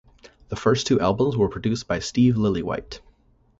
The first two albums were produced by Steve Lillywhite.